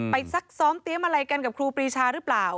ซักซ้อมเตรียมอะไรกันกับครูปรีชาหรือเปล่า